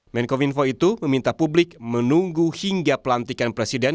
menkom info itu meminta publik menunggu hingga pelantikan presiden